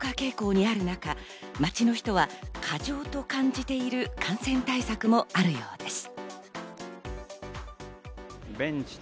感染者が増加傾向にある中、街の人は過剰と感じている感染対策もあるようです。